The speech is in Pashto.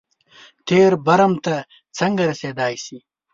تېر برم ته څنګه رسېدای شي.